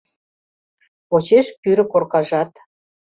Почеш пӱрӧ коркажат